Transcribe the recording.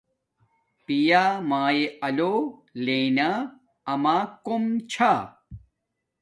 پیامایا آلو لݵنا آما کوم چھا